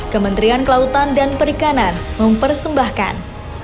kementerian kelautan dan perikanan mempersembahkan